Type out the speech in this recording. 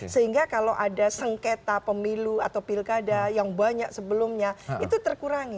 sehingga kalau ada sengketa pemilu atau pilkada yang banyak sebelumnya itu terkurangi